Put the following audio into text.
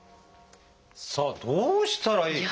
さあどうしたらいい？